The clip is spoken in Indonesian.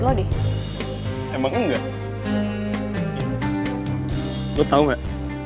lo tau gak